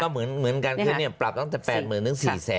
ก็เหมือนกันคือเนี่ยปรับตั้งแต่๘๐๐๐๐ถึง๔๐๐๐๐๐